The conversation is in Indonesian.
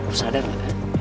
lo sadar gak